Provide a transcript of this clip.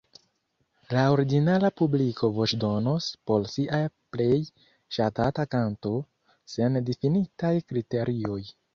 La ordinara publiko voĉdonos por sia plej ŝatata kanto, sen difinitaj kriterioj.